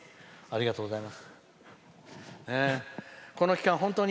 ありがとうございます。